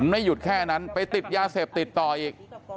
ไม่หยุดแค่นั้นไปติดยาเสพติดต่ออีก